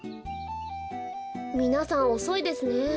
みなさんおそいですね。